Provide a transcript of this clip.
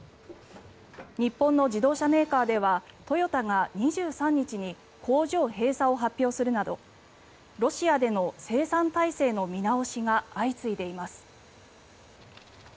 日本の自動車メーカーではトヨタが２３日に工場閉鎖を発表するなどロシアでの生産体制の見直しが相次いでいます。